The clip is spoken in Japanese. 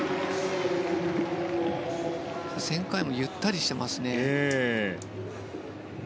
旋回もゆったりしていますね。